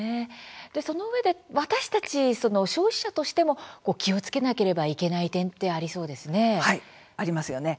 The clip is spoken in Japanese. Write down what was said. そのうえで私たち消費者としても気をつけなければいけない点ってありそうですね。